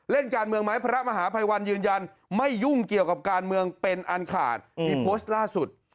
เล่นการเมืองไหมพระมหาภัยวัลยืนยันไม่ยุ่งเกี่ยวกับการเมืองเป็นอันขาด